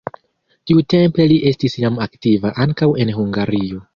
Tiutempe li estis jam aktiva ankaŭ en Hungario.